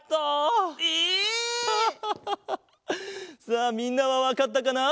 さあみんなはわかったかな？